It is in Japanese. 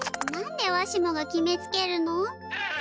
何でわしもが決めつけるの？